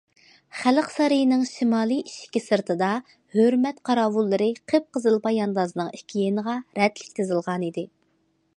خەلق سارىيىنىڭ شىمالىي ئىشىكى سىرتىدا، ھۆرمەت قاراۋۇللىرى قىپقىزىل پاياندازنىڭ ئىككى يېنىغا رەتلىك تىزىلغان ئىدى.